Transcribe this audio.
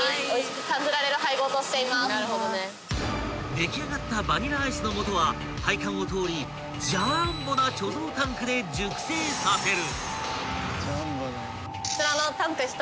［出来上がったバニラアイスの素は配管を通りジャンボな貯蔵タンクで熟成させる］